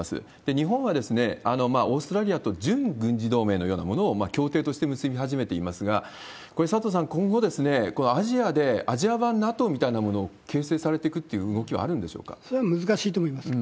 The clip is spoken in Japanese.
日本はオーストラリアと準軍事同盟のようなものを協定として結び始めていますが、これ、佐藤さん、今後、アジアで、アジア版ＮＡＴＯみたいなものを形成されてくって動きはあるんでそれは難しいと思います。